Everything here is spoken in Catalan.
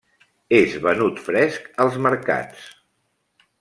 És venut fresc als mercats.